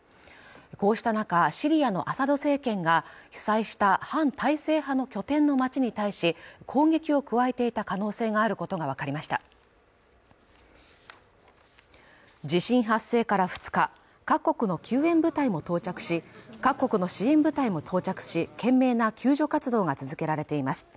こうした中シリアのアサド政権が被災した反体制派の拠点の町に対し攻撃を加えていた可能性があることが分かりました地震発生から２日各国の支援部隊も到着し懸命な救助活動が続けられています